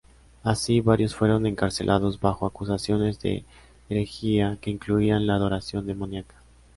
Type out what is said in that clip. Así, varios fueron encarcelados bajo acusaciones de herejía que incluían la adoración demoníaca.